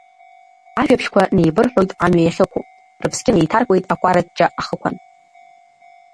Ажәабжьқәак неибырҳәоит амҩа иахьықәу, рыԥсгьы неиҭаркуеит акәараҷҷа ахықәан.